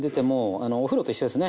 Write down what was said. あのお風呂と一緒ですね。